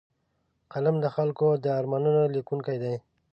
قلم د خلکو د ارمانونو لیکونکی دی